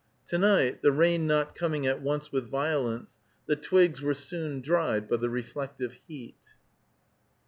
To night, the rain not coming at once with violence, the twigs were soon dried by the reflected heat.